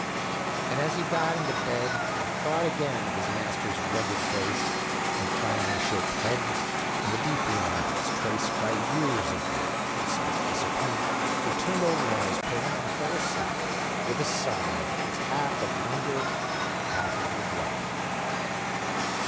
And as he got into bed and thought again of his master's rugged face, and finely shaped head, and the deep lines traced by years of work and self discipline, he turned over on his pillow and fell asleep with a sigh that was half of wonder, half of regret.